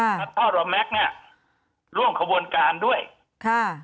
ครับท่อรอแม็กซ์เนี่ยร่วมขบวนการด้วยค่ะ